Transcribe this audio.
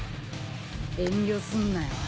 遠慮すんなよ。